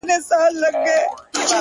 انسان حیوان دی! حیوان انسان دی!